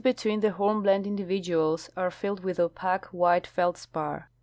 between the hornblende individuals are filled with opaque white feldspar.